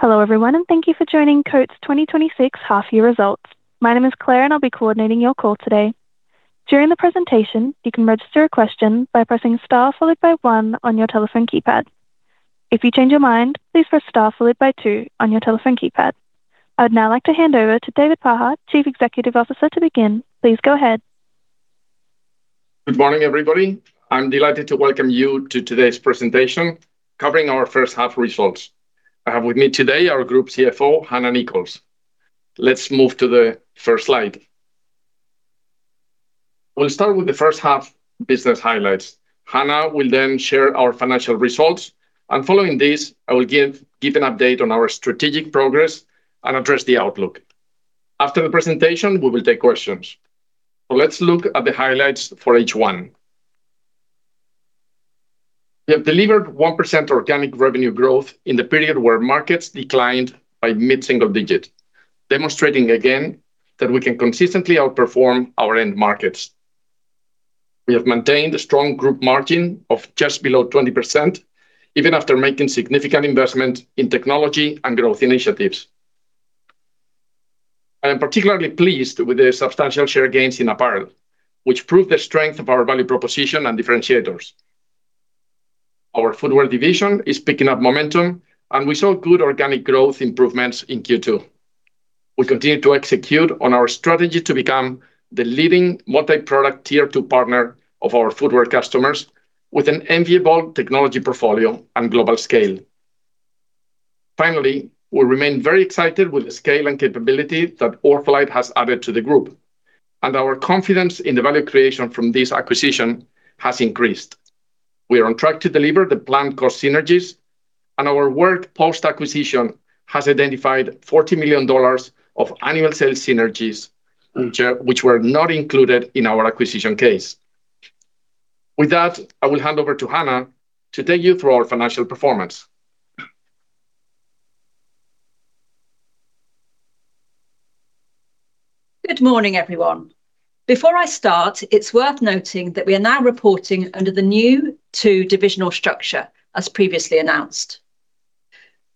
Hello, everyone, and thank you for joining Coats' 2026 half-year results. My name is Claire, and I will be coordinating your call today. During the presentation, you can register a question by pressing star followed by one on your telephone keypad. If you change your mind, please press star followed by two on your telephone keypad. I would now like to hand over to David Paja, Chief Executive Officer, to begin. Please go ahead. Good morning, everybody. I am delighted to welcome you to today's presentation covering our first half results. I have with me today our Group CFO, Hannah Nichols. Let's move to the first slide. We will start with the first half business highlights. Hannah will then share our financial results. Following this, I will give an update on our strategic progress and address the outlook. After the presentation, we will take questions. Let's look at the highlights for H1. We have delivered 1% organic revenue growth in the period where markets declined by mid-single digit, demonstrating again that we can consistently outperform our end markets. We have maintained a strong group margin of just below 20%, even after making significant investment in technology and growth initiatives. I am particularly pleased with the substantial share gains in apparel, which prove the strength of our value proposition and differentiators. Our footwear division is picking up momentum, and we saw good organic growth improvements in Q2. We continue to execute on our strategy to become the leading multi-product Tier 2 partner of our footwear customers with an enviable technology portfolio and global scale. Finally, we remain very excited with the scale and capability that OrthoLite has added to the group. Our confidence in the value creation from this acquisition has increased. We are on track to deliver the planned cost synergies. Our work post-acquisition has identified $40 million of annual sales synergies which were not included in our acquisition case. With that, I will hand over to Hannah to take you through our financial performance. Good morning, everyone. Before I start, it is worth noting that we are now reporting under the new two-divisional structure, as previously announced.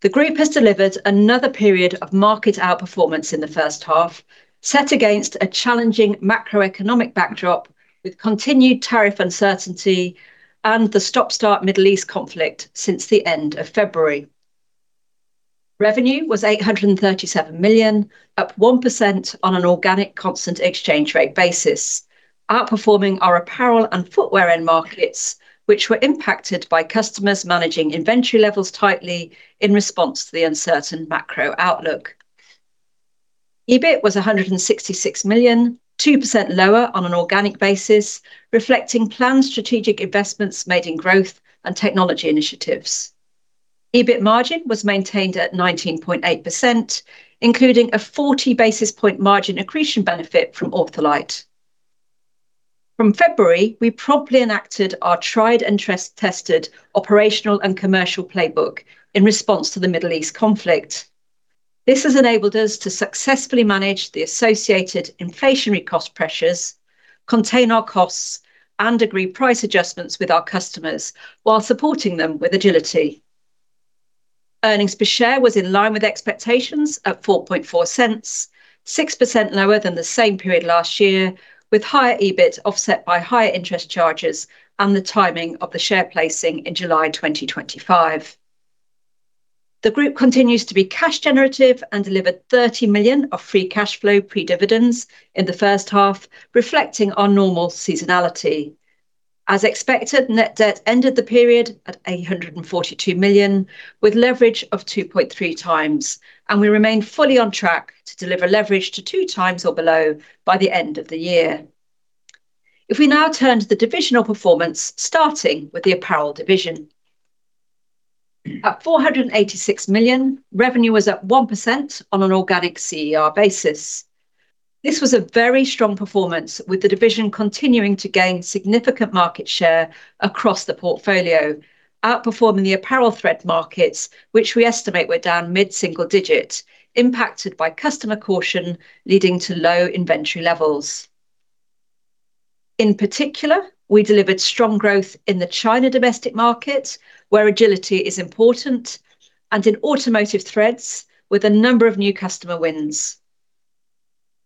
The group has delivered another period of market outperformance in the first half, set against a challenging macroeconomic backdrop with continued tariff uncertainty and the stop-start Middle East conflict since the end of February. Revenue was $837 million, up 1% on an organic constant exchange rate basis, outperforming our apparel and footwear end markets, which were impacted by customers managing inventory levels tightly in response to the uncertain macro outlook. EBIT was $166 million, 2% lower on an organic basis, reflecting planned strategic investments made in growth and technology initiatives. EBIT margin was maintained at 19.8%, including a 40 basis point margin accretion benefit from OrthoLite. From February, we promptly enacted our tried and tested operational and commercial playbook in response to the Middle East conflict. This has enabled us to successfully manage the associated inflationary cost pressures, contain our costs, and agree price adjustments with our customers while supporting them with agility. Earnings per share was in line with expectations at $0.044, 6% lower than the same period last year, with higher EBIT offset by higher interest charges and the timing of the share placing in July 2025. The group continues to be cash generative and delivered $30 million of free cash flow pre-dividends in the first half, reflecting our normal seasonality. As expected, net debt ended the period at $842 million, with leverage of 2.3x, and we remain fully on track to deliver leverage to 2x or below by the end of the year. If we now turn to the divisional performance, starting with the apparel division. At $486 million, revenue was up 1% on an organic CER basis. This was a very strong performance, with the division continuing to gain significant market share across the portfolio, outperforming the apparel thread markets, which we estimate were down mid-single digit, impacted by customer caution, leading to low inventory levels. In particular, we delivered strong growth in the China domestic market, where agility is important, and in automotive threads with a number of new customer wins.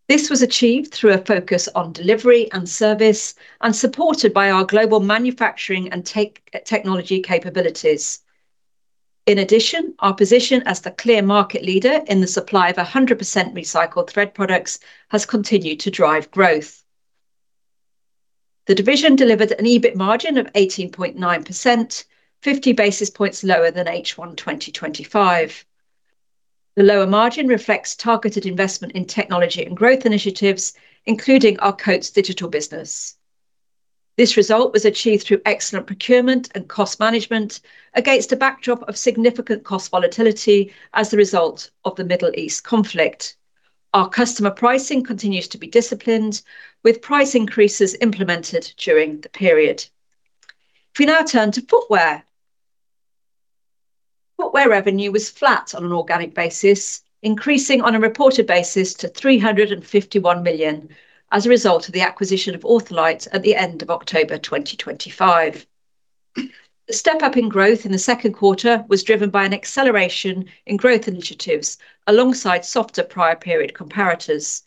This was achieved through a focus on delivery and service and supported by our global manufacturing and technology capabilities. In addition, our position as the clear market leader in the supply of 100% recycled thread products has continued to drive growth. The division delivered an EBIT margin of 18.9%, 50 basis points lower than H1 2025. The lower margin reflects targeted investment in technology and growth initiatives, including our Coats Digital business. This result was achieved through excellent procurement and cost management against a backdrop of significant cost volatility as a result of the Middle East conflict. Our customer pricing continues to be disciplined, with price increases implemented during the period. If we now turn to footwear. Footwear revenue was flat on an organic basis, increasing on a reported basis $351 million as a result of the acquisition of OrthoLite at the end of October 2025. The step-up in growth in the second quarter was driven by an acceleration in growth initiatives alongside softer prior period comparators.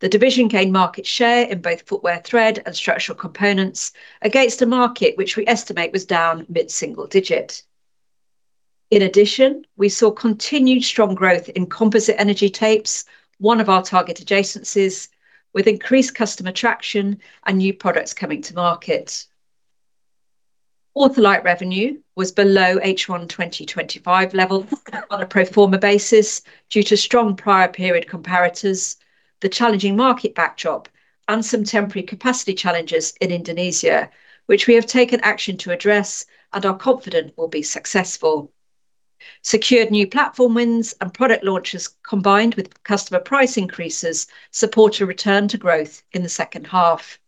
The division gained market share in both footwear thread and structural components against a market which we estimate was down mid-single digit. In addition, we saw continued strong growth in composite energy tapes, one of our target adjacencies, with increased customer traction and new products coming to market. OrthoLite revenue was below H1 2025 levels on a pro forma basis due to strong prior period comparators, the challenging market backdrop, and some temporary capacity challenges in Indonesia, which we have taken action to address and are confident will be successful. Secured new platform wins and product launches, combined with customer price increases, support a return to growth in the second half.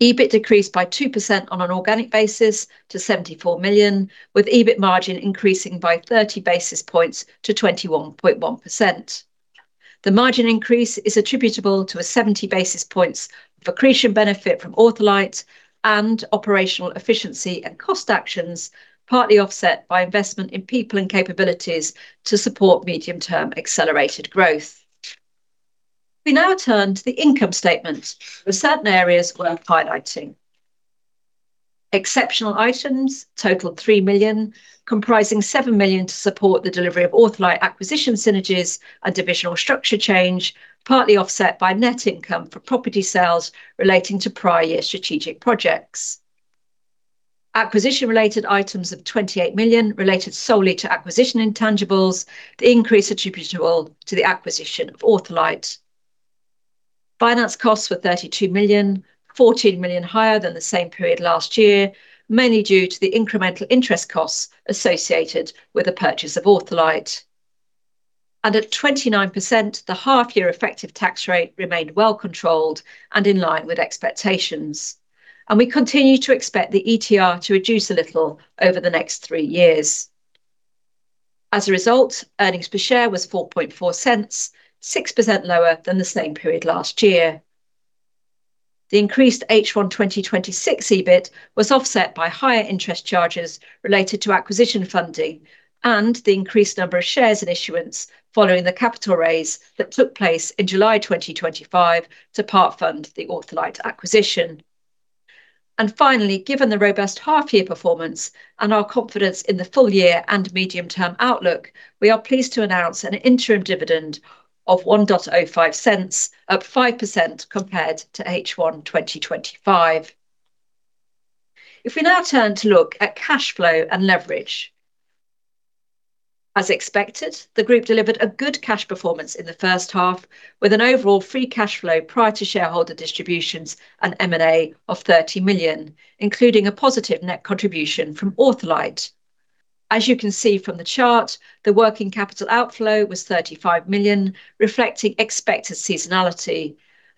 EBIT decreased by 2% on an organic basis to $74 million, with EBIT margin increasing by 30 basis points to 21.1%. The margin increase is attributable to a 70 basis points accretion benefit from OrthoLite and operational efficiency and cost actions, partly offset by investment in people and capabilities to support medium-term accelerated growth. We now turn to the income statement with certain areas worth highlighting. Exceptional items totaled $3 million, comprising $7 million to support the delivery of OrthoLite acquisition synergies and divisional structure change, partly offset by net income for property sales relating to prior year strategic projects. Acquisition-related items of $28 million related solely to acquisition intangibles, the increase attributable to the acquisition of OrthoLite. Finance costs were $32 million, $14 million higher than the same period last year, mainly due to the incremental interest costs associated with the purchase of OrthoLite. At 29%, the half-year effective tax rate remained well controlled and in line with expectations. We continue to expect the ETR to reduce a little over the next three years. As a result, earnings per share was $0.044, 6% lower than the same period last year. The increased H1 2026 EBIT was offset by higher interest charges related to acquisition funding and the increased number of shares and issuance following the capital raise that took place in July 2025 to part-fund the OrthoLite acquisition. Finally, given the robust half-year performance and our confidence in the full year and medium-term outlook, we are pleased to announce an interim dividend of $0.0105, up 5% compared to H1 2025. If we now turn to look at cash flow and leverage. As expected, the group delivered a good cash performance in the first half, with an overall free cash flow prior to shareholder distributions and M&A of $30 million, including a positive net contribution from OrthoLite. As you can see from the chart, the working capital outflow was $35 million, reflecting expected seasonality.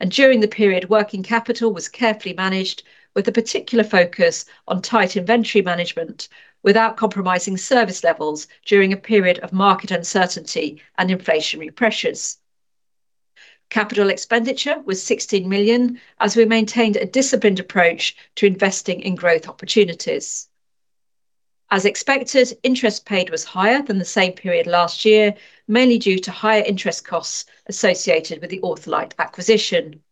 During the period, working capital was carefully managed with a particular focus on tight inventory management without compromising service levels during a period of market uncertainty and inflationary pressures. Capital expenditure was $16 million as we maintained a disciplined approach to investing in growth opportunities. As expected, interest paid was higher than the same period last year, mainly due to higher interest costs associated with the OrthoLite acquisition.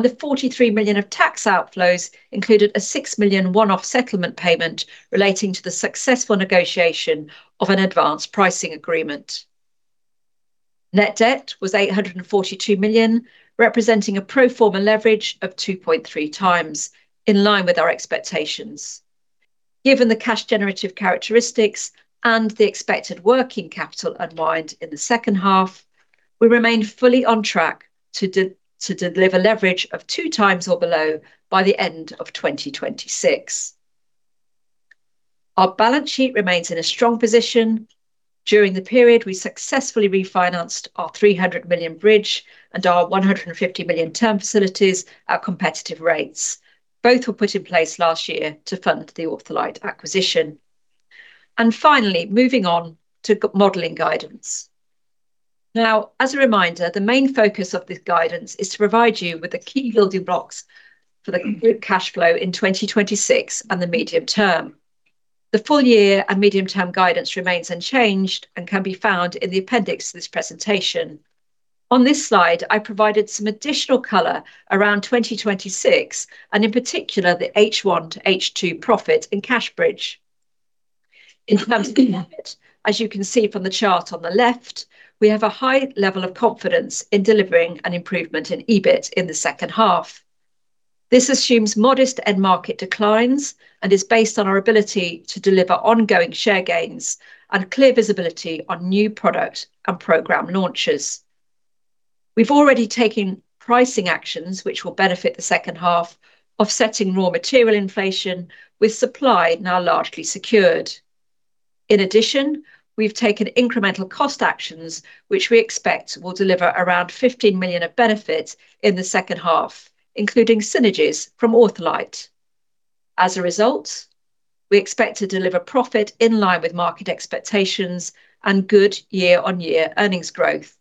The $43 million of tax outflows included a $6 million one-off settlement payment relating to the successful negotiation of an advanced pricing agreement. Net debt was $842 million, representing a pro forma leverage of 2.3x, in line with our expectations. Given the cash generative characteristics and the expected working capital unwind in the second half, we remain fully on track to deliver leverage of 2x or below by the end of 2026. Our balance sheet remains in a strong position. During the period, we successfully refinanced our $300 million bridge and our $150 million term facilities at competitive rates. Both were put in place last year to fund the OrthoLite acquisition. Finally, moving on to modeling guidance. Now, as a reminder, the main focus of this guidance is to provide you with the key building blocks for the group cash flow in 2026 and the medium term. The full-year and medium-term guidance remains unchanged and can be found in the appendix to this presentation. On this slide, I provided some additional color around 2026 and in particular the H1-H2 profit and cash bridge. In terms of profit, as you can see from the chart on the left, we have a high level of confidence in delivering an improvement in EBIT in the second half. This assumes modest end market declines and is based on our ability to deliver ongoing share gains and clear visibility on new product and program launches. We've already taken pricing actions, which will benefit the second half, offsetting raw material inflation with supply now largely secured. In addition, we've taken incremental cost actions, which we expect will deliver around $15 million of benefits in the second half, including synergies from OrthoLite. As a result, we expect to deliver profit in line with market expectations and good year-on-year earnings growth.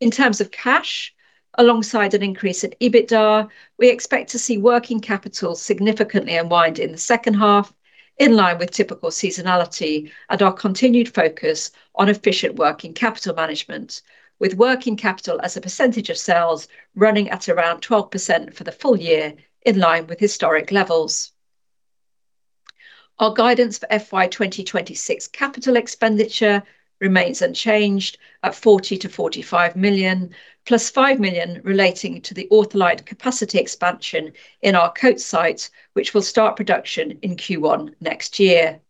In terms of cash, alongside an increase in EBITDA, we expect to see working capital significantly unwind in the second half, in line with typical seasonality and our continued focus on efficient working capital management, with working capital as a percentage of sales running at around 12% for the full-year, in line with historic levels. Our guidance for FY 2026 capital expenditure remains unchanged at $40 million-$45 million, +$5 million relating to the OrthoLite capacity expansion in our Coats site, which will start production in Q1 next year.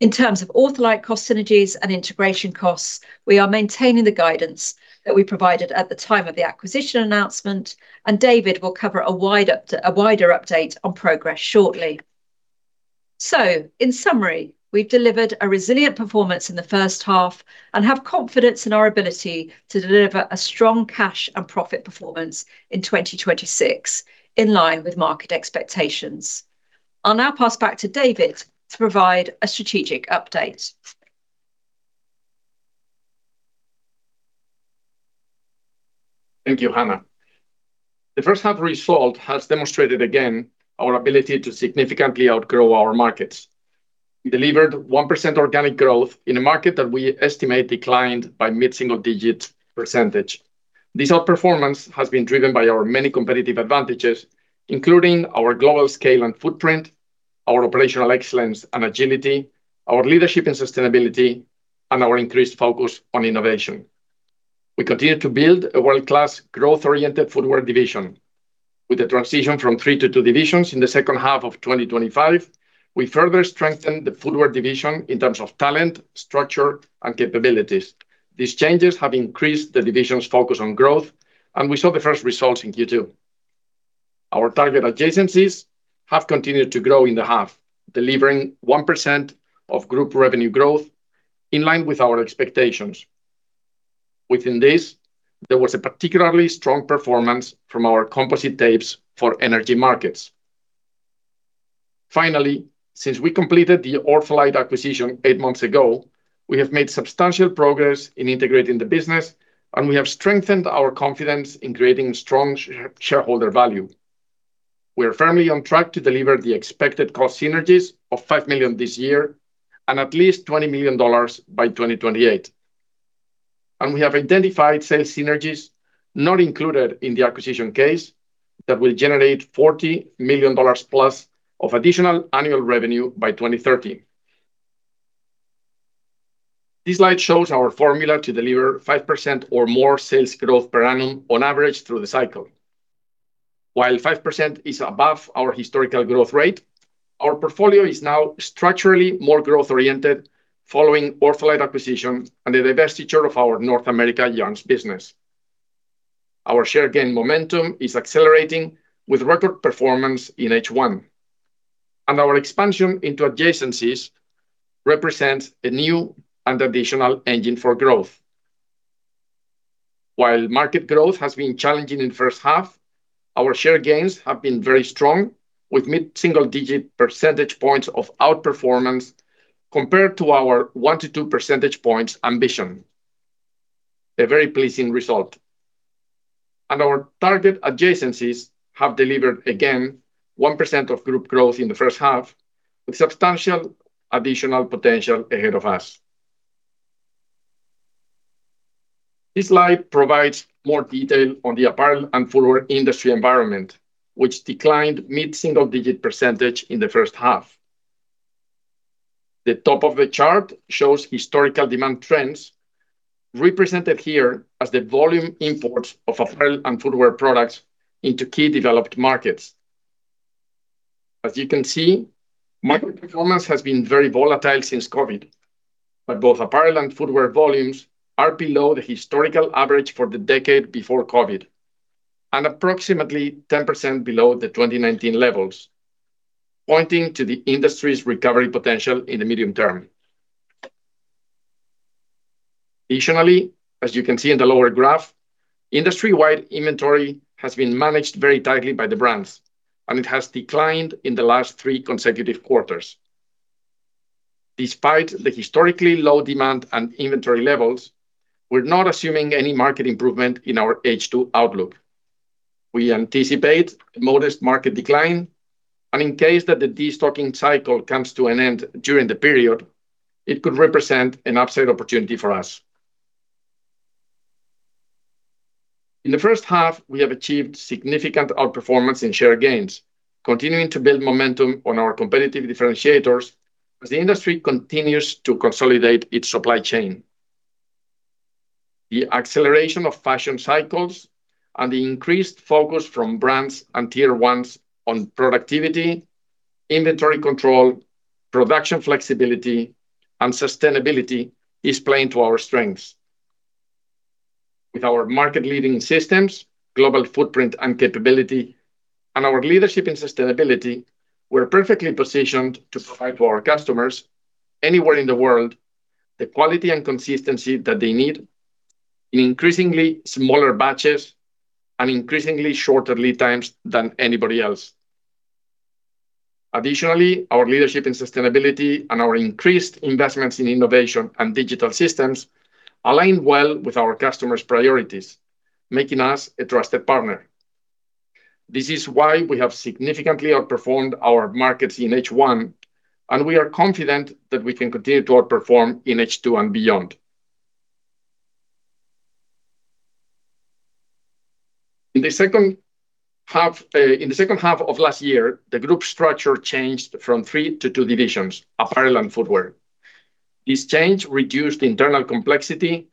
In terms of OrthoLite cost synergies and integration costs, we are maintaining the guidance that we provided at the time of the acquisition announcement, and David will cover a wider update on progress shortly. In summary, we've delivered a resilient performance in the first half and have confidence in our ability to deliver a strong cash and profit performance in 2026, in line with market expectations. I'll now pass back to David to provide a strategic update. Thank you, Hannah. The first half result has demonstrated again our ability to significantly outgrow our markets. We delivered 1% organic growth in a market that we estimate declined by mid-single-digit percentage. This outperformance has been driven by our many competitive advantages, including our global scale and footprint, our operational excellence and agility, our leadership in sustainability, and our increased focus on innovation. We continue to build a world-class, growth-oriented footwear division. With the transition from three to two divisions in the second half of 2025, we further strengthened the footwear division in terms of talent, structure, and capabilities. These changes have increased the division's focus on growth, and we saw the first results in Q2. Our target adjacencies have continued to grow in the half, delivering 1% of group revenue growth in line with our expectations. Within this, there was a particularly strong performance from our composite tapes for energy markets. Finally, since we completed the OrthoLite acquisition eight months ago, we have made substantial progress in integrating the business, and we have strengthened our confidence in creating strong shareholder value. We are firmly on track to deliver the expected cost synergies of $5 million this year and at least $20 million by 2028. We have identified sales synergies not included in the acquisition case that will generate $40 million+ of additional annual revenue by 2030. This slide shows our formula to deliver 5% or more sales growth per annum on average through the cycle. While 5% is above our historical growth rate, our portfolio is now structurally more growth oriented following OrthoLite acquisition and the divestiture of our North America Yarns business. Our share gain momentum is accelerating with record performance in H1. Our expansion into adjacencies represents a new and additional engine for growth. While market growth has been challenging in the first half, our share gains have been very strong, with mid-single-digit percentage points of outperformance compared to our one to two percentage points ambition. A very pleasing result. Our target adjacencies have delivered again 1% of group growth in the first half, with substantial additional potential ahead of us. This slide provides more detail on the apparel and footwear industry environment, which declined mid-single-digit percentage in the first half. The top of the chart shows historical demand trends, represented here as the volume imports of apparel and footwear products into key developed markets. As you can see, market performance has been very volatile since COVID, but both apparel and footwear volumes are below the historical average for the decade before COVID and approximately 10% below the 2019 levels, pointing to the industry's recovery potential in the medium term. Additionally, as you can see in the lower graph, industry-wide inventory has been managed very tightly by the brands, and it has declined in the last three consecutive quarters. Despite the historically low demand and inventory levels, we're not assuming any market improvement in our H2 outlook. We anticipate a modest market decline, and in case that the destocking cycle comes to an end during the period, it could represent an upside opportunity for us. In the first half, we have achieved significant outperformance in share gains, continuing to build momentum on our competitive differentiators as the industry continues to consolidate its supply chain. The acceleration of fashion cycles and the increased focus from brands and tier 1s on productivity, inventory control, production flexibility, and sustainability is playing to our strengths. With our market leading systems, global footprint and capability, our leadership in sustainability, we're perfectly positioned to provide to our customers anywhere in the world the quality and consistency that they need in increasingly smaller batches and increasingly shorter lead times than anybody else. Additionally, our leadership in sustainability and our increased investments in innovation and digital systems align well with our customers' priorities, making us a trusted partner. This is why we have significantly outperformed our markets in H1. We are confident that we can continue to outperform in H2 and beyond. In the second half of last year, the group structure changed from three to two divisions, apparel and footwear. This change reduced internal complexity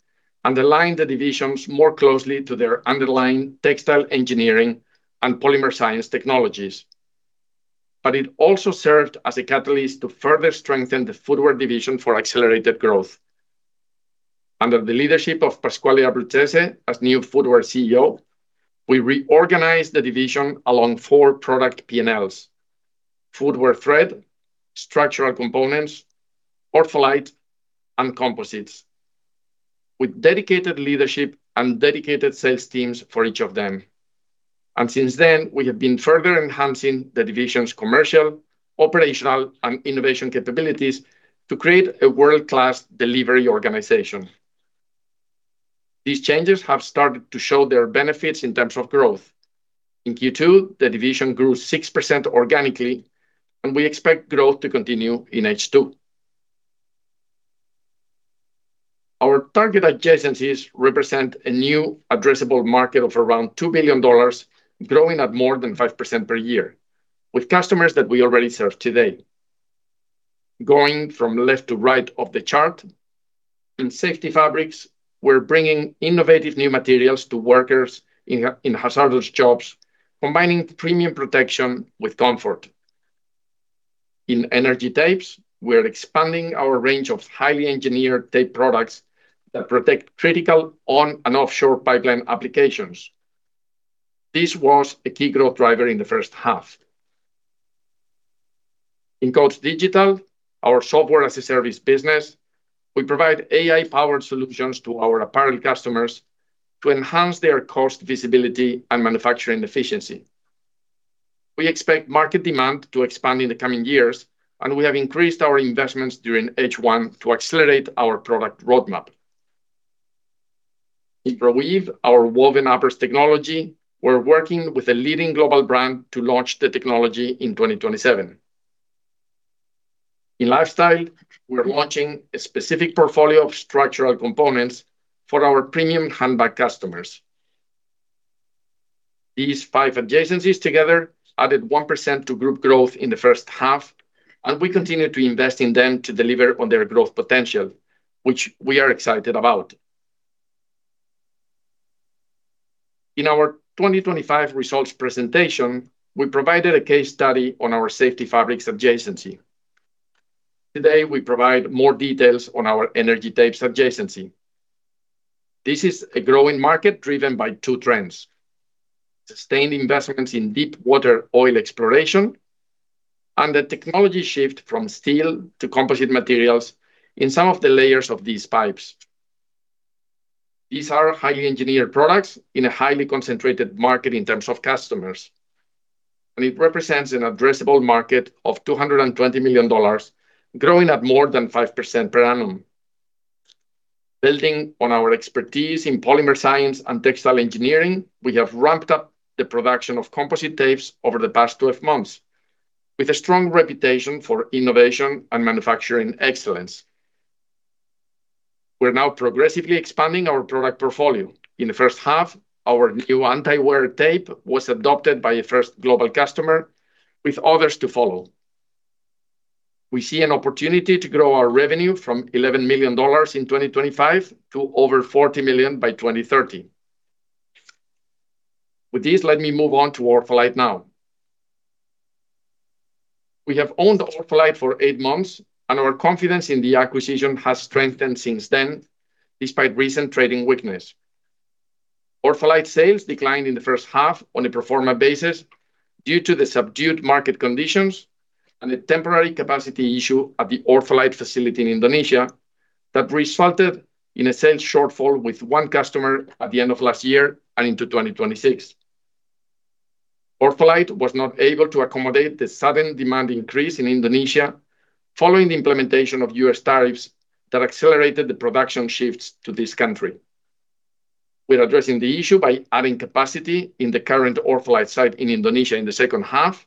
and aligned the divisions more closely to their underlying textile engineering and polymer science technologies. It also served as a catalyst to further strengthen the footwear division for accelerated growth. Under the leadership of Pasquale Abruzzese as new footwear CEO, we reorganized the division along four product P&Ls, footwear thread, structural components, OrthoLite, and composites, with dedicated leadership and dedicated sales teams for each of them. Since then, we have been further enhancing the division's commercial, operational, and innovation capabilities to create a world-class delivery organization. These changes have started to show their benefits in terms of growth. In Q2, the division grew 6% organically, and we expect growth to continue in H2. Our target adjacencies represent a new addressable market of around $2 billion, growing at more than 5% per year, with customers that we already serve today. Going from left to right of the chart, in safety fabrics, we're bringing innovative new materials to workers in hazardous jobs, combining premium protection with comfort. In energy tapes, we are expanding our range of highly engineered tape products that protect critical on and offshore pipeline applications. This was a key growth driver in the first half. In Coats Digital, our software-as-a-service business, we provide AI-powered solutions to our apparel customers to enhance their cost visibility and manufacturing efficiency. We expect market demand to expand in the coming years, and we have increased our investments during H1 to accelerate our product roadmap. In ProWeave, our woven uppers technology, we're working with a leading global brand to launch the technology in 2027. In lifestyle, we're launching a specific portfolio of structural components for our premium handbag customers. These five adjacencies together added 1% to group growth in the first half. We continue to invest in them to deliver on their growth potential, which we are excited about. In our 2025 results presentation, we provided a case study on our safety fabrics adjacency. Today, we provide more details on our energy tape adjacency. This is a growing market driven by two trends, sustained investments in deepwater oil exploration and the technology shift from steel to composite materials in some of the layers of these pipes. These are highly engineered products in a highly concentrated market in terms of customers. It represents an addressable market of $220 million, growing at more than 5% per annum. Building on our expertise in polymer science and textile engineering, we have ramped up the production of composite tapes over the past 12 months, with a strong reputation for innovation and manufacturing excellence. We're now progressively expanding our product portfolio. In the first half, our new anti-wear tape was adopted by a first global customer, with others to follow. We see an opportunity to grow our revenue from $11 million in 2025 to over $40 million by 2030. With this, let me move on to OrthoLite now. We have owned OrthoLite for eight months. Our confidence in the acquisition has strengthened since then, despite recent trading weakness. OrthoLite sales declined in the first half on a pro forma basis due to the subdued market conditions and a temporary capacity issue at the OrthoLite facility in Indonesia that resulted in a sales shortfall with one customer at the end of last year and into 2026. OrthoLite was not able to accommodate the sudden demand increase in Indonesia following the implementation of U.S. tariffs that accelerated the production shifts to this country. We're addressing the issue by adding capacity in the current OrthoLite site in Indonesia in the second half,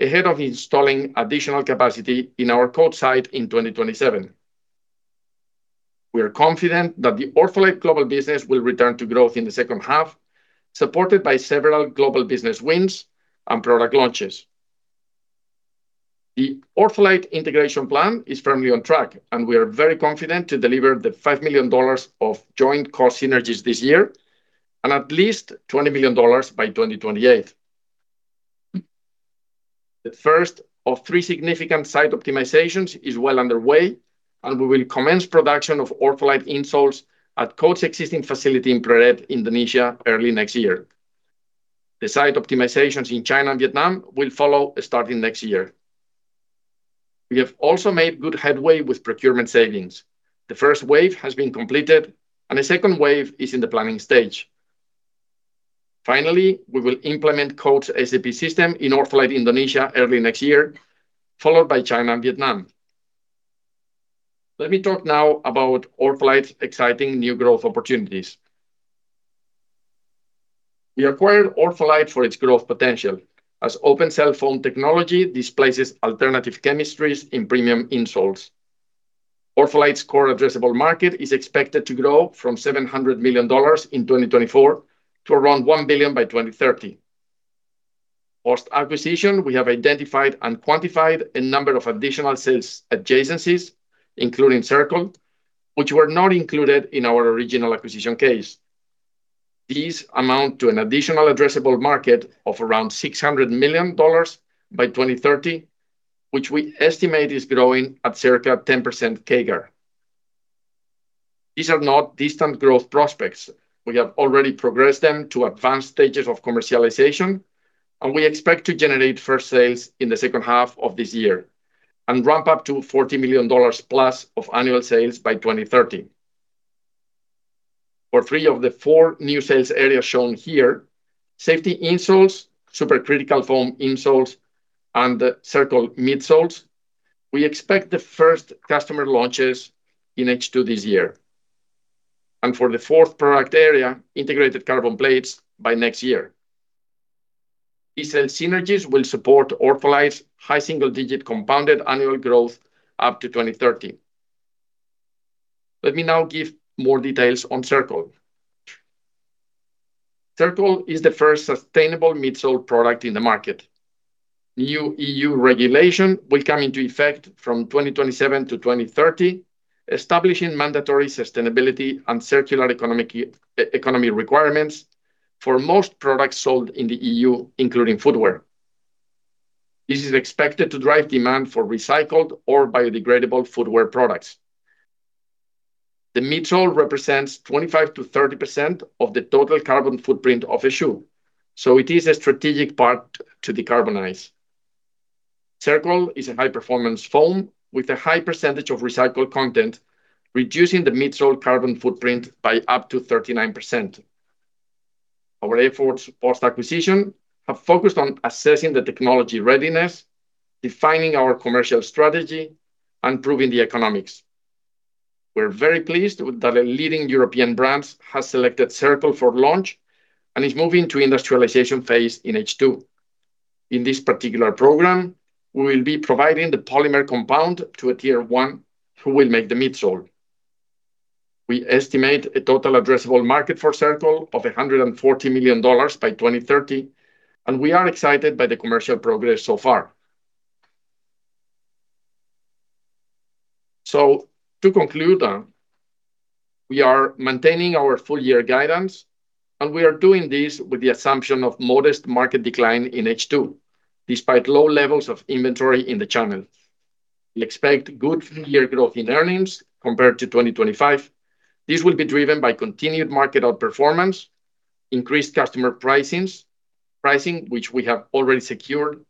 ahead of installing additional capacity in our Coats site in 2027. We are confident that the OrthoLite global business will return to growth in the second half, supported by several global business wins and product launches. The OrthoLite integration plan is firmly on track. We are very confident to deliver the $5 million of joint cost synergies this year and at least $20 million by 2028. The first of three significant site optimizations is well underway. We will commence production of OrthoLite insoles at Coats' existing facility in Purwakarta, Indonesia early next year. The site optimizations in China and Vietnam will follow starting next year. We have also made good headway with procurement savings. The first wave has been completed. A second wave is in the planning stage. Finally, we will implement Coats SAP system in OrthoLite Indonesia early next year, followed by China and Vietnam. Let me talk now about OrthoLite's exciting new growth opportunities. We acquired OrthoLite for its growth potential, as open cell foam technology displaces alternative chemistries in premium insoles. OrthoLite's core addressable market is expected to grow from $700 million in 2024 to around $1 billion by 2030. Post-acquisition, we have identified and quantified a number of additional sales adjacencies, including Cirql, which were not included in our original acquisition case. These amount to an additional addressable market of around $600 million by 2030, which we estimate is growing at circa 10% CAGR. These are not distant growth prospects. We have already progressed them to advanced stages of commercialization, and we expect to generate first sales in the second half of this year and ramp up to $40 million+ of annual sales by 2030. For three of the four new sales areas shown here, safety insoles, supercritical foam insoles, and the Cirql midsoles, we expect the first customer launches in H2 this year. For the fourth product area, integrated carbon plates, by next year. These sales synergies will support OrthoLite's high single-digit compounded annual growth up to 2030. Let me now give more details on Cirql. Cirql is the first sustainable midsole product in the market. New EU regulation will come into effect from 2027-2030, establishing mandatory sustainability and circular economy requirements for most products sold in the EU, including footwear. This is expected to drive demand for recycled or biodegradable footwear products. The midsole represents 25%-30% of the total carbon footprint of a shoe, so it is a strategic part to decarbonize. Cirql is a high-performance foam with a high percentage of recycled content, reducing the midsole carbon footprint by up to 39%. Our efforts post-acquisition have focused on assessing the technology readiness, defining our commercial strategy, and proving the economics. We're very pleased that a leading European brand has selected Cirql for launch and is moving to industrialization phase in H2. In this particular program, we will be providing the polymer compound to a Tier 1 who will make the midsole. We estimate a total addressable market for Cirql of $140 million by 2030. We are excited by the commercial progress so far. To conclude, we are maintaining our full-year guidance. We are doing this with the assumption of modest market decline in H2, despite low levels of inventory in the channel. We expect good full-year growth in earnings compared to 2025. This will be driven by continued market outperformance, increased customer pricing, which we have already secured,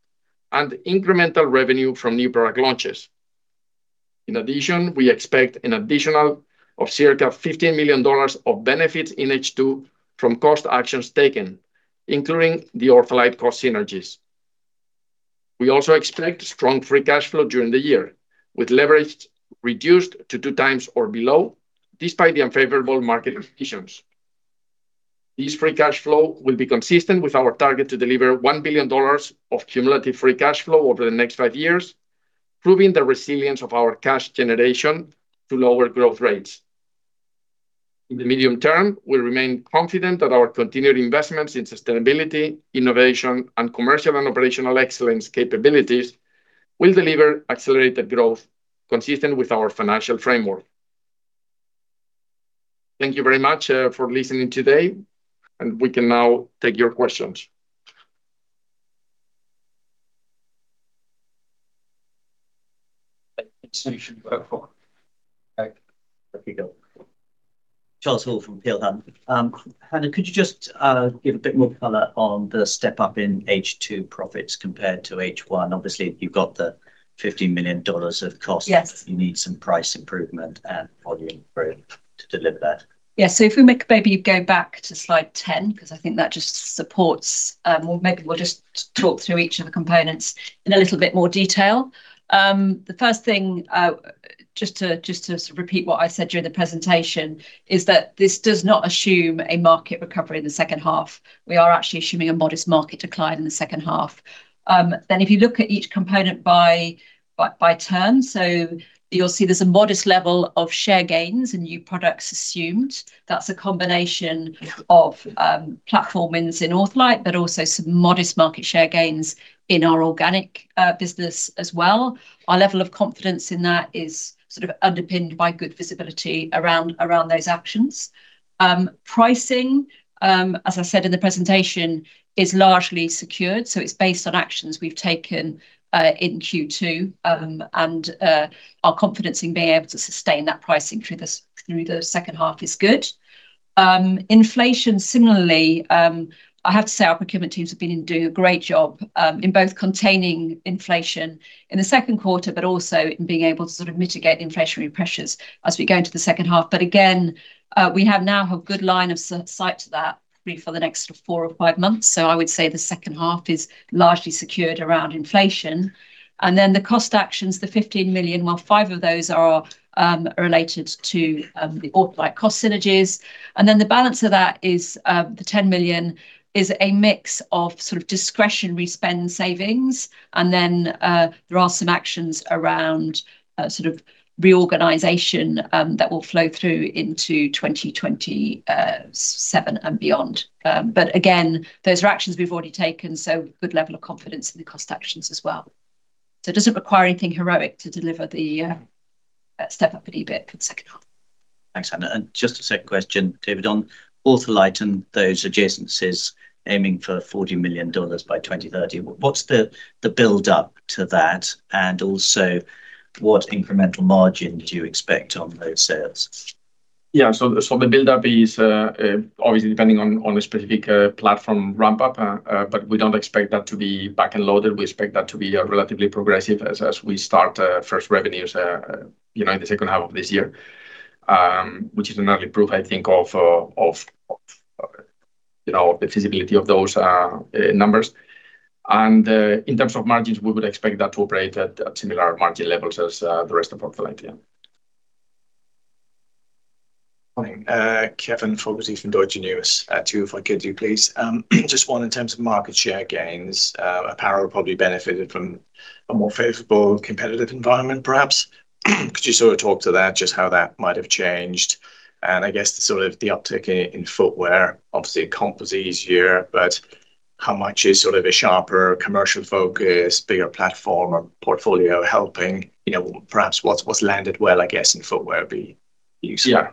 and incremental revenue from new product launches. In addition, we expect an additional of circa $15 million of benefits in H2 from cost actions taken, including the OrthoLite cost synergies. We also expect strong free cash flow during the year, with leverage reduced to 2x or below, despite the unfavorable market conditions. This free cash flow will be consistent with our target to deliver $1 billion of cumulative free cash flow over the next five years, proving the resilience of our cash generation to lower growth rates. In the medium term, we remain confident that our continued investments in sustainability, innovation, and commercial and operational excellence capabilities will deliver accelerated growth consistent with our financial framework. Thank you very much for listening today, and we can now take your questions. [inaudible] Off you go. Charles Hall from Peel Hunt. Hannah, could you just give a bit more color on the step-up in H2 profits compared to H1? Obviously, you've got the $15 million of costs. Yes. You need some price improvement and volume improvement to deliver that. Yeah. If we maybe go back to slide 10, because I think that just supports. Well, maybe we'll just talk through each of the components in a little bit more detail. The first thing, just to repeat what I said during the presentation, is that this does not assume a market recovery in the second half. We are actually assuming a modest market decline in the second half. If you look at each component by turn, you'll see there's a modest level of share gains and new products assumed. That's a combination of platform wins in OrthoLite, but also some modest market share gains in our organic business as well. Our level of confidence in that is underpinned by good visibility around those actions. Pricing, as I said in the presentation, is largely secured. It's based on actions we've taken in Q2, and our confidence in being able to sustain that pricing through the second half is good. Inflation, similarly, I have to say our procurement teams have been doing a great job in both containing inflation in the second quarter, but also in being able to mitigate inflationary pressures as we go into the second half. Again, we have now a good line of sight to that, probably for the next four or five months. I would say the second half is largely secured around inflation. The cost actions, the $15 million, well, five of those are related to the OrthoLite cost synergies. The balance of that is, the $10 million, is a mix of discretionary spend savings. There are some actions around reorganization that will flow through into 2027 and beyond. Again, those are actions we've already taken. Good level of confidence in the cost actions as well. It doesn't require anything heroic to deliver the step up in EBIT for the second half. Thanks, Hannah. Just a second question, David, on OrthoLite and those adjacencies aiming for $40 million by 2030. What's the build up to that? Also what incremental margin do you expect on those sales? The build up is, obviously depending on the specific platform ramp up, but we don't expect that to be back-end loaded. We expect that to be relatively progressive as we start first revenues in the second half of this year, which is an early proof, I think of the feasibility of those numbers. In terms of margins, we would expect that to operate at similar margin levels as the rest of OrthoLite. Morning. Kevin Fogarty from Deutsche Numis. Two if I could do, please. Just one in terms of market share gains. Apparel probably benefited from a more favorable competitive environment, perhaps. Could you sort of talk to that, just how that might have changed? I guess the sort of the uptick in footwear, obviously comp was easier, but how much is sort of a sharper commercial focus, bigger platform or portfolio helping, perhaps what's landed well, I guess, in footwear would be useful.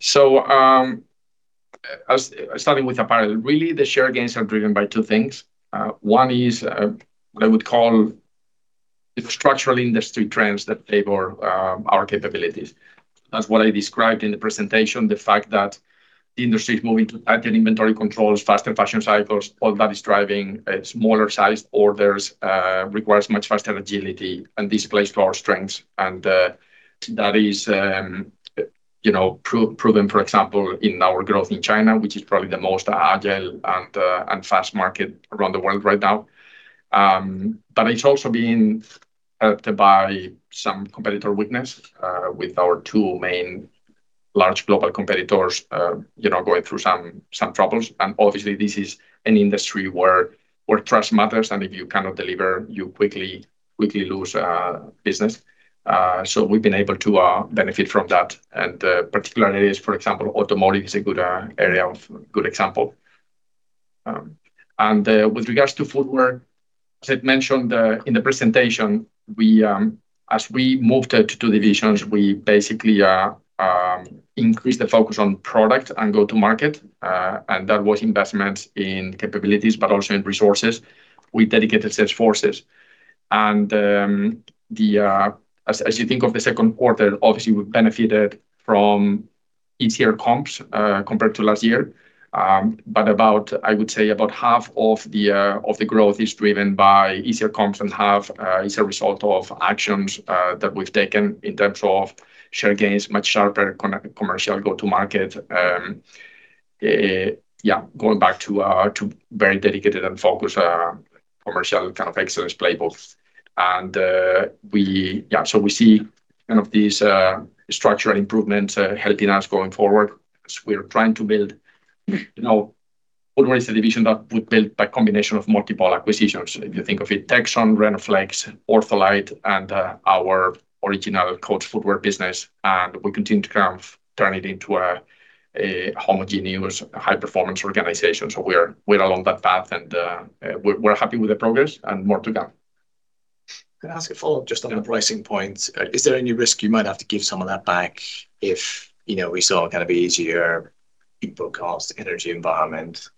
Starting with apparel. Really the share gains are driven by two things. One is what I would call infrastructural industry trends that favor our capabilities. That's what I described in the presentation, the fact that the industry is moving to tighter inventory controls, faster fashion cycles, all that is driving smaller sized orders, requires much faster agility and this plays to our strengths. That is proven, for example, in our growth in China, which is probably the most agile and fast market around the world right now. It's also been helped by some competitor weakness, with our two main large global competitors going through some troubles. Obviously this is an industry where trust matters, and if you cannot deliver, you quickly lose business. We've been able to benefit from that. Particular areas, for example, automotive is a good area of good example. With regards to footwear, as I mentioned in the presentation, as we moved to two divisions, we basically increased the focus on product and go to market. That was investment in capabilities, but also in resources with dedicated sales forces. As you think of the second quarter, obviously we've benefited from easier comps, compared to last year. About, I would say about half of the growth is driven by easier comps and half is a result of actions that we've taken in terms of share gains, much sharper commercial go to market. Going back to very dedicated and focused commercial kind of excellence playbooks. We see kind of these structural improvements helping us going forward as we are trying to build, footwear is a division that we built by combination of multiple acquisitions. If you think of it, Texon, Rhenoflex, OrthoLite, and our original Coats footwear business, we continue to kind of turn it into a homogeneous high performance organization. We're along that path and we're happy with the progress and more to come. Can I ask a follow-up just on the pricing point? Is there any risk you might have to give some of that back if we saw kind of easier input cost energy environment?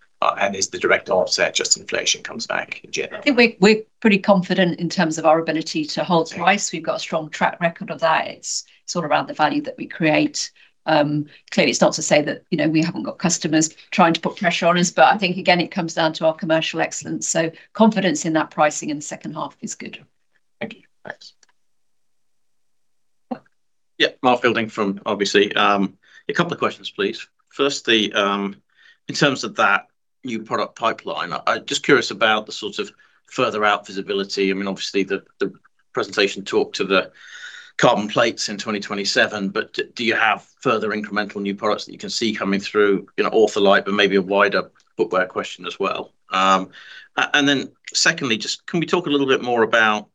Is the direct offset just inflation comes back in general? I think we're pretty confident in terms of our ability to hold price. We've got a strong track record of that. It's sort of around the value that we create. Clearly, it's not to say that we haven't got customers trying to put pressure on us, I think, again, it comes down to our commercial excellence. Confidence in that pricing in the second half is good. Thank you. Thanks. Yeah. Mark Fielding from RBC. A couple of questions, please. First, in terms of that new product pipeline, I'm just curious about the sort of further out visibility. I mean, obviously the presentation talked to the carbon plates in 2027, but do you have further incremental new products that you can see coming through, OrthoLite, but maybe a wider footwear question as well? Secondly, just can we talk a little bit more about,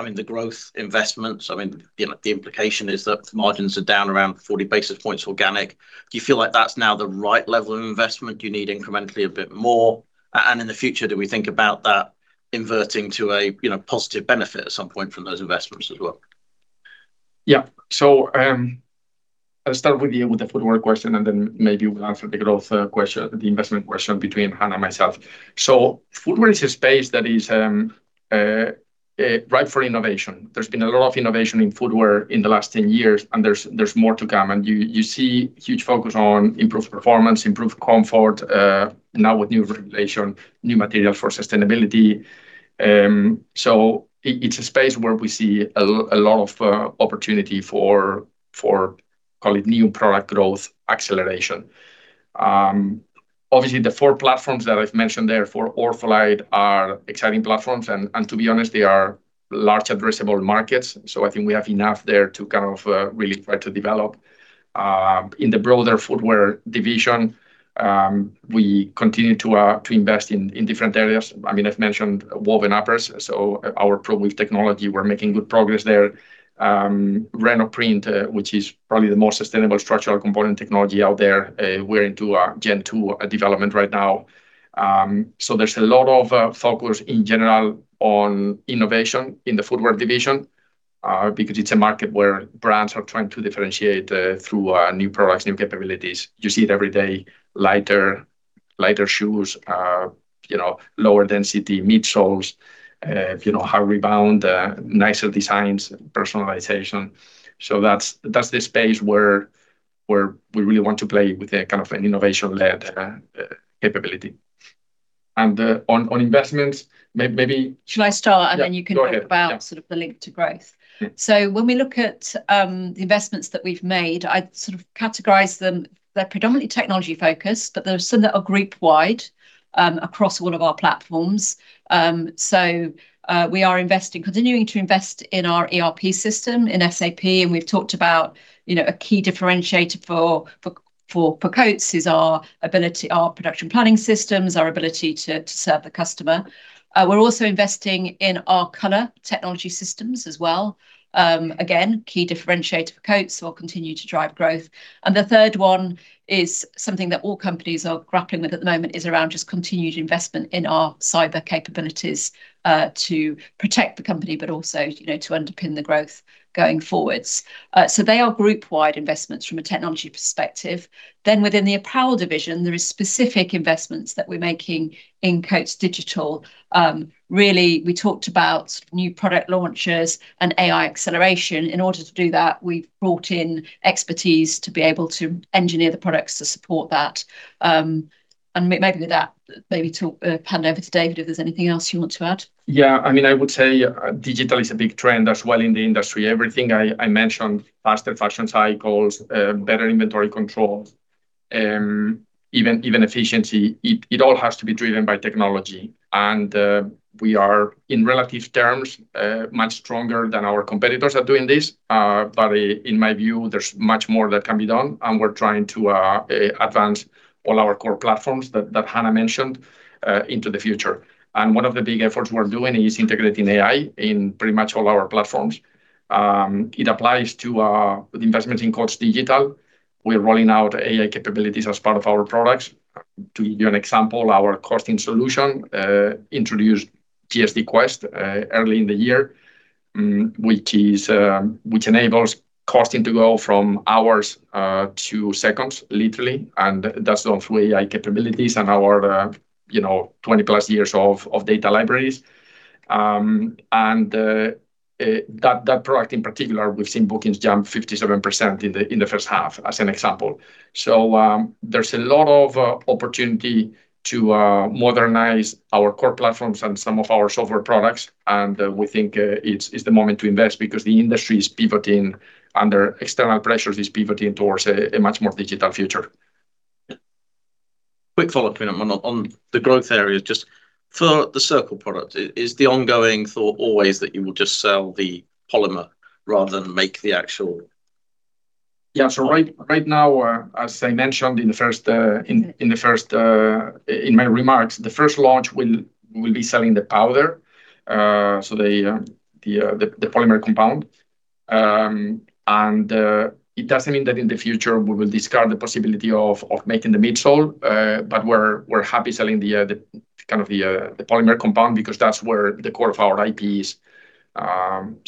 I mean, the growth investments? I mean, the implication is that margins are down around 40 basis points organic. Do you feel like that's now the right level of investment? Do you need incrementally a bit more? In the future, do we think about that inverting to a positive benefit at some point from those investments as well? Yeah. I'll start with you with the footwear question, and then maybe we'll answer the growth question, the investment question between Hannah and myself. Footwear is a space that is ripe for innovation. There's been a lot of innovation in footwear in the last 10 years, and there's more to come. You see huge focus on improved performance, improved comfort, now with new regulation, new material for sustainability. It's a space where we see a lot of opportunity for call it new product growth acceleration. Obviously, the four platforms that I've mentioned there for OrthoLite are exciting platforms and to be honest, they are large addressable markets. I think we have enough there to kind of, really try to develop. In the broader footwear division, we continue to invest in different areas. I mean, I've mentioned woven uppers, so our ProWeave technology, we're making good progress there. Rhenoprint, which is probably the most sustainable structural component technology out there, we're into our Gen 2 development right now. There's a lot of focus in general on innovation in the footwear division. Because it's a market where brands are trying to differentiate through new products, new capabilities. You see it every day, lighter shoes, lower density midsoles, high rebound, nicer designs, personalization. That's the space where we really want to play with kind of an innovation-led capability. On investments, maybe- Should I start? Yeah. Go ahead, thanks. Then you can talk about. Sort of the link to growth. Yeah. When we look at the investments that we've made, I'd sort of categorize them, they're predominantly technology focused, but there are some that are group wide across all of our platforms. We are continuing to invest in our ERP system, in SAP, and we've talked about a key differentiator for Coats is our production planning systems, our ability to serve the customer. We're also investing in our color technology systems as well. Again, key differentiator for Coats that will continue to drive growth. The third one is something that all companies are grappling with at the moment, is around just continued investment in our cyber capabilities to protect the company, but also to underpin the growth going forwards. They are group wide investments from a technology perspective. Within the apparel division, there is specific investments that we're making in Coats Digital. Really, we talked about new product launches and AI acceleration. In order to do that, we've brought in expertise to be able to engineer the products to support that. Maybe with that, maybe hand over to David, if there's anything else you want to add. Yeah. I would say digital is a big trend as well in the industry. Everything I mentioned, faster fashion cycles, better inventory controls, even efficiency, it all has to be driven by technology. We are, in relative terms, much stronger than our competitors at doing this. In my view, there's much more that can be done, and we're trying to advance all our core platforms that Hannah mentioned into the future. One of the big efforts we're doing is integrating AI in pretty much all our platforms. It applies to the investment in Coats Digital. We're rolling out AI capabilities as part of our products. To give you an example, our costing solution introduced GSDQuest early in the year, which enables costing to go from hours to seconds, literally, and that's of AI capabilities and our 20+ years of data libraries. That product in particular, we've seen bookings jump 57% in the first half, as an example. There's a lot of opportunity to modernize our core platforms and some of our software products, and we think it's the moment to invest because the industry is pivoting under external pressures, it's pivoting towards a much more digital future. Quick follow-up on the growth areas. Just for the Cirql product, is the ongoing thought always that you will just sell the polymer? Right now, as I mentioned in my remarks, the first launch, we'll be selling the powder, so the polymer compound. It doesn't mean that in the future we will discard the possibility of making the midsole, but we're happy selling the polymer compound, because that's where the core of our IP is.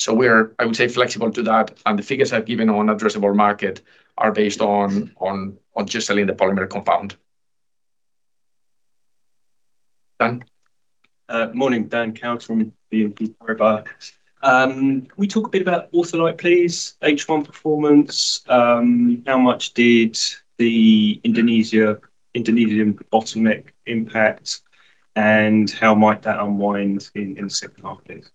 We're, I would say, flexible to that, and the figures I've given on addressable market are based on just selling the polymer compound. Dan? Morning, Dan Cowan from BNP Paribas. Can we talk a bit about OrthoLite, please? H1 performance, how much did the Indonesia volume impact, and how might that unwind in the second half, please?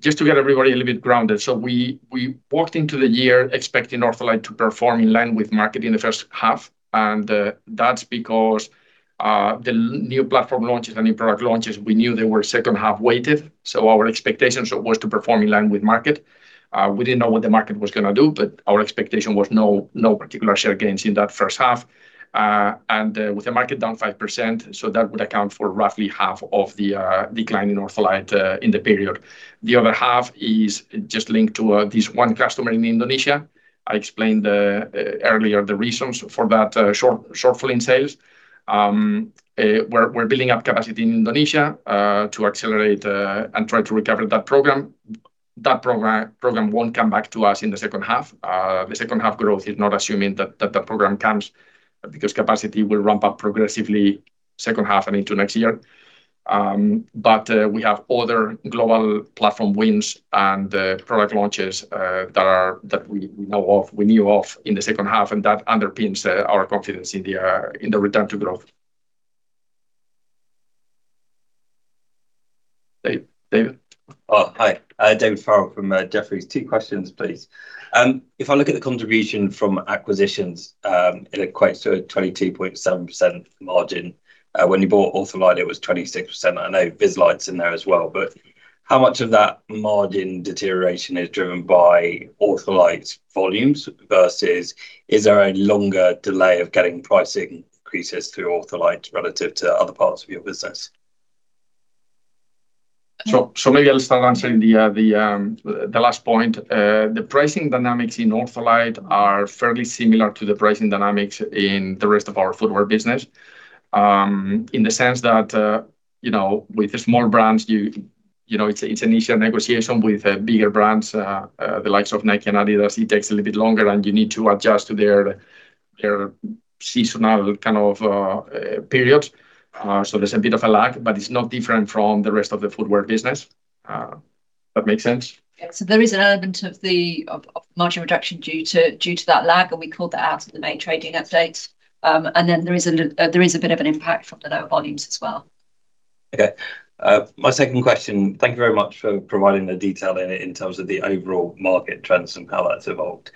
Just to get everybody a little bit grounded. We walked into the year expecting OrthoLite to perform in line with market in the first half, that's because the new platform launches and new product launches, we knew they were second half weighted, our expectation was to perform in line with market. We didn't know what the market was going to do, our expectation was no particular share gains in that first half. With the market down 5%, that would account for roughly half of the decline in OrthoLite in the period. The other half is just linked to this one customer in Indonesia. I explained earlier the reasons for that shortfall in sales. We're building up capacity in Indonesia, to accelerate and try to recover that program. That program won't come back to us in the second half. The second half growth is not assuming that the program comes, because capacity will ramp up progressively second half and into next year. We have other global platform wins and product launches that we knew of in the second half, that underpins our confidence in the return to growth. David? Oh, hi. I'm David Farrell from Jefferies. Two questions, please. If I look at the contribution from acquisitions, it equates to a 22.7% margin. When you bought OrthoLite, it was 26%. I know Viz Reflectives is in there as well, but how much of that margin deterioration is driven by OrthoLite volumes, versus is there a longer delay of getting pricing increases through OrthoLite relative to other parts of your business? Maybe I'll start answering the last point. The pricing dynamics in OrthoLite are fairly similar to the pricing dynamics in the rest of our footwear business, in the sense that, with the small brands, It's an initial negotiation with bigger brands, the likes of Nike and Adidas. It takes a little bit longer, and you need to adjust to their seasonal kind of periods. There's a bit of a lag, but it's not different from the rest of the footwear business. That makes sense? Yeah. There is an element of the margin reduction due to that lag, we called that out at the May trading update. There is a bit of an impact from the lower volumes as well. Okay. My second question, thank you very much for providing the detail in it in terms of the overall market trends and how that's evolved.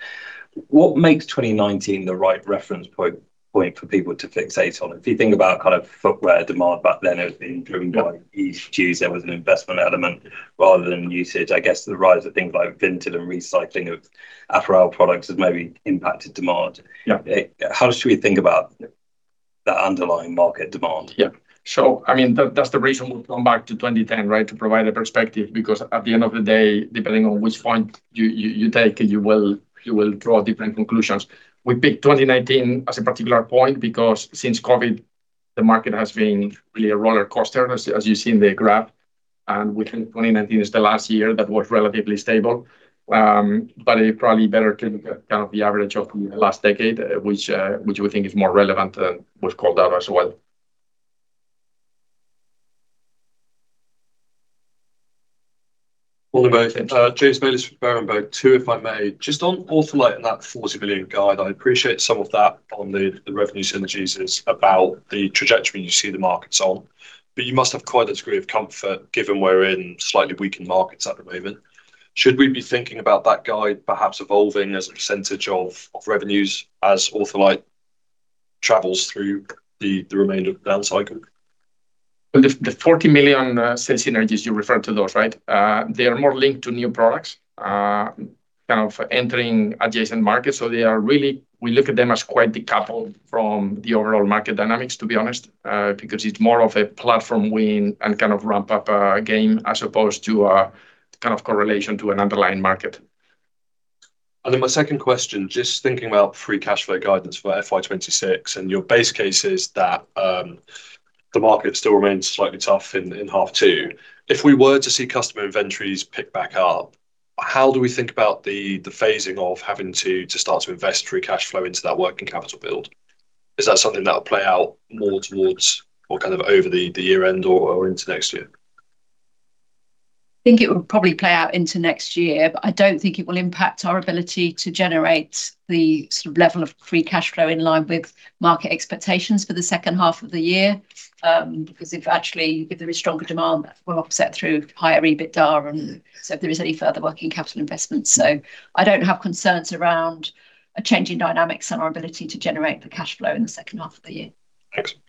What makes 2019 the right reference point for people to fixate on? If you think about footwear demand back then, it was being driven by issues. There was an investment element rather than usage. I guess the rise of things like vintage and recycling of apparel products has maybe impacted demand. Yeah. How should we think about the underlying market demand? That's the reason we've gone back to 2010, right, to provide a perspective, because at the end of the day, depending on which point you take, you will draw different conclusions. We picked 2019 as a particular point because since COVID, the market has been really a roller coaster, as you see in the graph, and we think 2019 is the last year that was relatively stable. Probably better to look at kind of the average of the last decade, which we think is more relevant and was called out as well. Morning both. Morning. James Bayliss from Berenberg. Two, if I may, just on Ortholite and that $40 million guide. I appreciate some of that on the revenue synergies about the trajectory you see the markets on. You must have quite a degree of comfort given we're in slightly weakened markets at the moment. Should we be thinking about that guide perhaps evolving as a percentage of revenues as OrthoLite travels through the remainder of down cycle? Well, the $40 million sales synergies, you referred to those, right? They are more linked to new products, kind of entering adjacent markets. They are really, we look at them as quite decoupled from the overall market dynamics, to be honest, because it's more of a platform win and kind of ramp up a game as opposed to a kind of correlation to an underlying market. My second question, just thinking about free cash flow guidance for FY 2026 and your base case is that the market still remains slightly tough in half two. If we were to see customer inventories pick back up, how do we think about the phasing of having to start to invest free cash flow into that working capital build? Is that something that'll play out more towards or kind of over the year end or into next year? I think it will probably play out into next year, but I don't think it will impact our ability to generate the sort of level of free cash flow in line with market expectations for the second half of the year. If actually, if there is stronger demand, that will offset through higher EBITDA if there is any further working capital investments. I don't have concerns around a change in dynamics and our ability to generate the cash flow in the second half of the year. Excellent.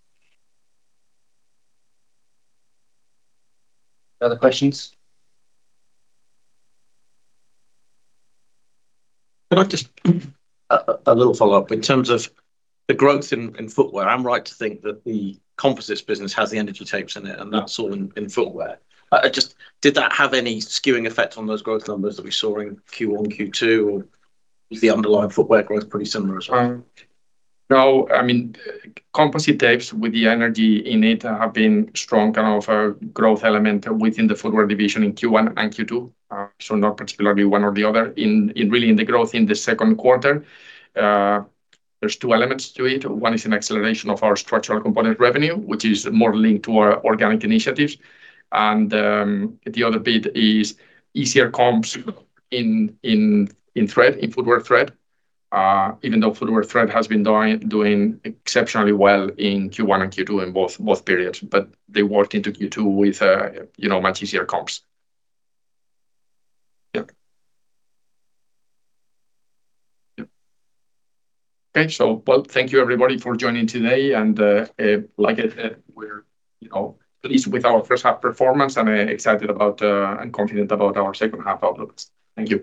Any other questions? Can I just ask a little follow-up? In terms of the growth in footwear, I'm right to think that the composites business has the Energy Tapes in it, and that's all in footwear. Just did that have any skewing effect on those growth numbers that we saw in Q1/Q2, or was the underlying footwear growth pretty similar as well? No. Composite tapes with the energy in it have been strong kind of a growth element within the footwear division in Q1 and Q2, so not particularly one or the other. Really in the growth in the second quarter, there's two elements to it. One is an acceleration of our structural component revenue, which is more linked to our organic initiatives. The other bit is easier comps in footwear thread. Even though footwear thread has been doing exceptionally well in Q1 and Q2 in both periods, they worked into Q2 with much easier comps. Yeah. Okay. Well, thank you everybody for joining today, and like I said, we're pleased with our first half performance and excited about and confident about our second half outlook. Thank you.